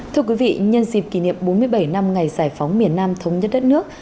thưa quý vị nhân dịp kỷ niệm bốn mươi bảy năm ngày giải phóng miền nam thống nhất đất nước